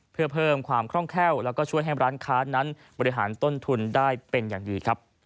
เพื่อเพิ่มความคล่องแคล่วแล้วก็ช่วยให้ร้านค้านั้นบริหารต้นทุนได้เป็นอย่างดีครับ